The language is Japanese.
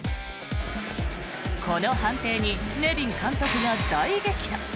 この判定にネビン監督は大激怒。